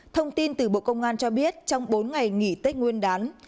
thông tin từ bộ công an cho biết trong bốn ngày nghỉ tết nguyên đán